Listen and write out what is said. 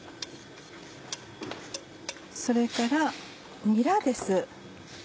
それからにらです。